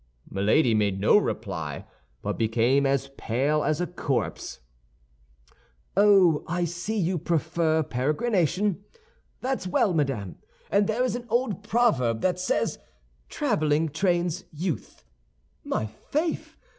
Milady made no reply, but became as pale as a corpse. "Oh, I see you prefer peregrination. That's well madame; and there is an old proverb that says, 'Traveling trains youth.' My faith!